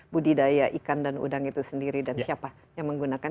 budidaya ikan dan udang itu sendiri dan siapa yang menggunakan